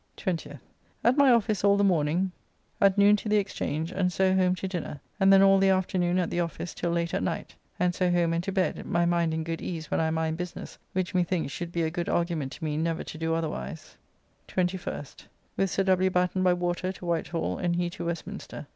20th. At my office all the morning, at noon to the Exchange, and so home to dinner, and then all the afternoon at the office till late at night, and so home and to bed, my mind in good ease when I mind business, which methinks should be a good argument to me never to do otherwise. 21st. With Sir W. Batten by water to Whitehall, and he to Westminster.